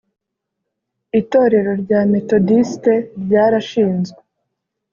Itorero rya Methodiste ryarashinzwe